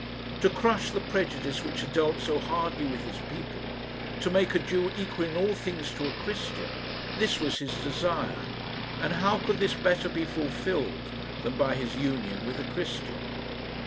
To crush the prejudice which had dealt so hardly with his people to make a Jew equal in all things to a Christian this was his desire; and how could this better be fulfilled than by his union with a Christian?